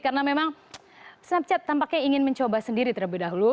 karena memang snapchat tampaknya ingin mencoba sendiri terlebih dahulu